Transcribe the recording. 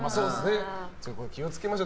気を付けましょう。